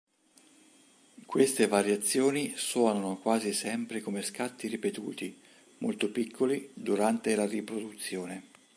Queste variazioni suonano quasi sempre come scatti ripetuti, molto piccoli, durante la riproduzione.